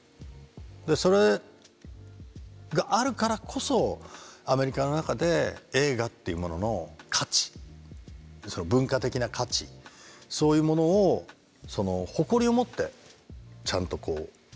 それがあるからこそアメリカの中で映画っていうものの価値文化的な価値そういうものを誇りを持ってちゃんと打ち出していく。